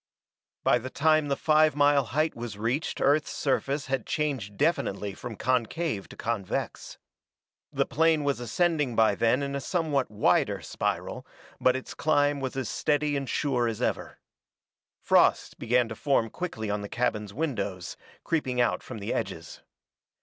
By the time the five mile height was reached Earth's surface had changed definitely from concave to convex. The plane was ascending by then in a somewhat wider spiral, but its climb was as steady and sure as ever. Frost begin to form quickly on the cabin's windows, creeping out from the edges.